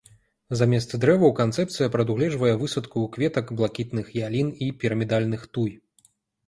Замест дрэваў канцэпцыя прадугледжвае высадку кветак, блакітных ялін і пірамідальных туй.